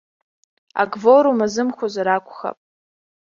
Акворум азымхозар акәхап.